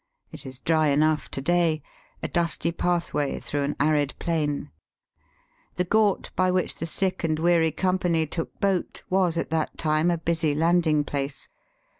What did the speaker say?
It is dry enough to day — a dusty pathway through an arid plain. The ghat by which the sick and weary com pany took boat was at that time a busy land ing place.